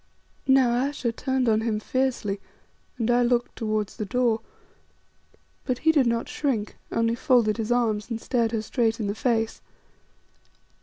Now Ayesha turned on him fiercely, and I looked towards the door. But he did not shrink, only folded his arms and stared her straight in the face.